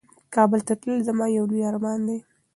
کابل ته تلل زما یو لوی ارمان دی.